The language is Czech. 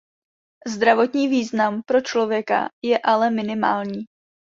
Zdravotní význam pro člověka je ale minimální.